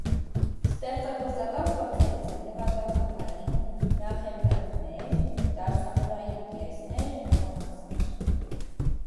Ռուբինշտեյնի ստեղծագործական փորձերից են՝ նվագախմբային նախերգանքներ, դաշնամուրային պիեսներ, ռոմանսներ։